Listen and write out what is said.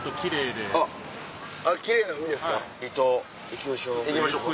行きましょう。